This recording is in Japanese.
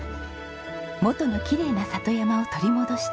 元のきれいな里山を取り戻したい。